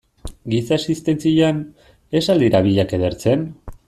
Giza existentzian, ez al dira biak edertzen?